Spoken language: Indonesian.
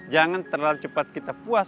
jangan terlalu cepat kita puas